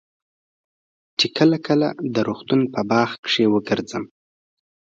چې کله کله د روغتون په باغ کښې وګرځم.